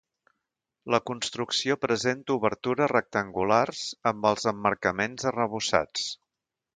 La construcció presenta obertures rectangulars amb els emmarcaments arrebossats.